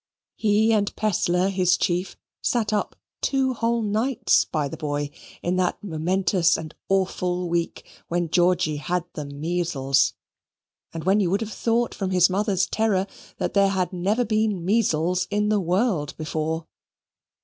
He and Pestler, his chief, sat up two whole nights by the boy in that momentous and awful week when Georgy had the measles; and when you would have thought, from the mother's terror, that there had never been measles in the world before.